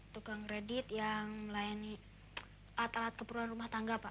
tukang kredit yang melayani atas keperluan rumah tangga pak